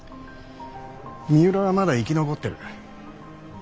三浦はまだ生き残ってる。